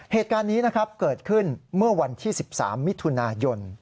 เหตุการณ์นี้นะครับเกิดขึ้นเมื่อวันที่๑๓มิถุนายน